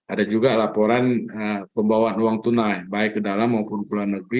ada juga laporan pembawaan uang tunai baik ke dalam maupun ke luar negeri